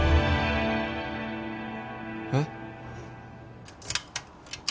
えっ？